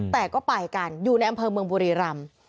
แต่ก็ไปกันอยู่ในอำเภอเมืองบุรีรำ